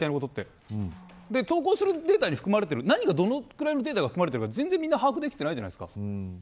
投稿するデータに含まれている何がどのくらい含まれているのか把握できてないじゃないですか。